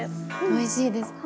おいしいです。